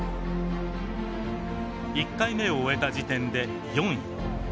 １回目を終えた時点で４位。